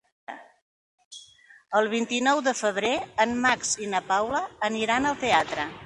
El vint-i-nou de febrer en Max i na Paula aniran al teatre.